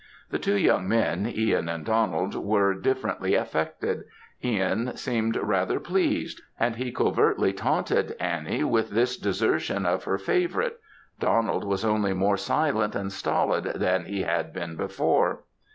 The two young men, Ihan and Donald, were differently affected; Ihan seemed rather pleased, and he covertly taunted Annie with this desertion of her favourite; Donald was only more silent and stolid than he had been before.